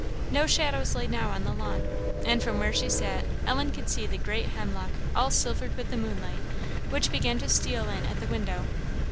No shadows lay now on the lawn; and from where she sat Ellen could see the great hemlock all silvered with the moonlight, which began to steal in at the window.